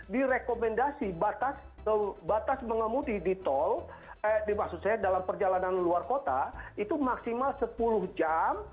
di rekomendasi batas pengemudi di tol maksud saya dalam perjalanan luar kota itu maksimal sepuluh jam dengan melaksanakan pola pola istirahat